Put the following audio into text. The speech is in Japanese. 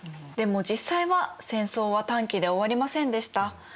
でも実際は戦争は短期では終わりませんでした。